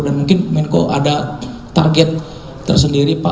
dan mungkin menko ada target tersendiri pak